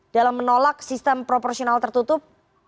dalam menolak sistem proporsional tertutup